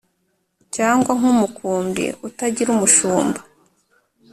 cyangwa nk’umukumbi utagira umushumba.